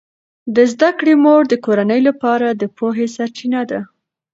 د زده کړې مور د کورنۍ لپاره د پوهې سرچینه ده.